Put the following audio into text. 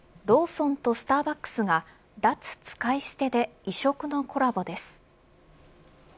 ローソンとスターバックスが脱使い捨てで異色のコラボです。